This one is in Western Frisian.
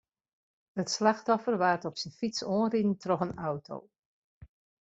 It slachtoffer waard op syn fyts oanriden troch in auto.